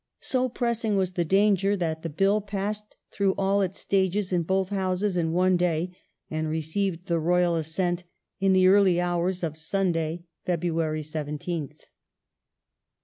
So pressing was the danger that the Bill passed through all its stages in both Houses in one day and received the Royal assent in the early hours of Sunday (Feb. 17th).